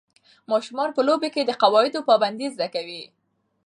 ماشومان په لوبو کې د قواعدو پابندۍ زده کوي.